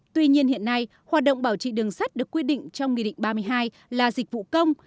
tuy nhiên hiện nay hoạt động bảo trị đường sắt được quy định trong nghị định ba mươi hai là dịch vụ công